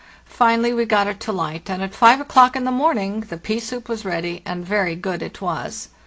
Finally we got it to light, and at 5 o'clock in the morning the pea soup was ready, and very good it was.